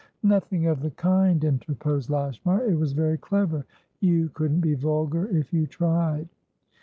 "Nothing of the kind," interposed Lashmar. "It was very clever. You couldn't be vulgar if you tried."